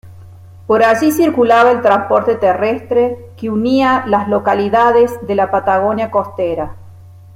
Por allí circulaba el transporte terrestre que unía las localidades de la Patagonia costera.